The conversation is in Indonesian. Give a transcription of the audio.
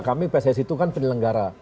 kami pssi itu kan penyelenggara